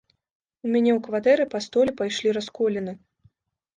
У мяне ў кватэры па столі пайшлі расколіны.